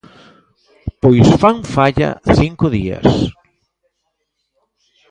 Pois fan falla cinco días!